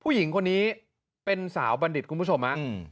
ผู้หญิงคนนี้เป็นสาวบัณฑิตคุณผู้ชมฮะ